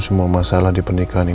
empat akhir namanya ropeguil ke sana